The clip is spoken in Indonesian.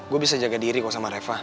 gue bisa jaga diri kok sama reva